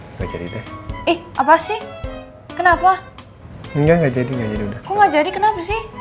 nggak jadi deh eh apa sih kenapa enggak jadi nggak jadi udah kok nggak jadi kenapa sih